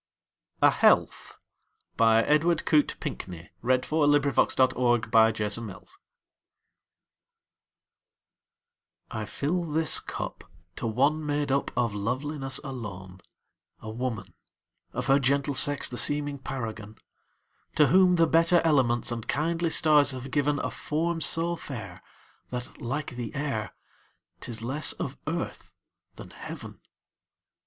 rse. 1912. Edward Coate Pinkney 1802–1828 Edward Coate Pinkney 34 A Health I FILL this cup to one made up of loveliness alone,A woman, of her gentle sex the seeming paragon; To whom the better elements and kindly stars have givenA form so fair, that, like the air, 't is less of earth than heaven.